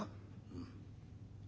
「うん。